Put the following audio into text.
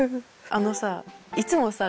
あのさいつもさ